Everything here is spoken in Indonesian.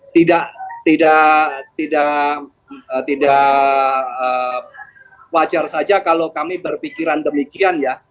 tidak wajar saja kalau kami berpikiran demikian ya